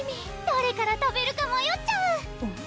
どれから食べるかまよっちゃううん？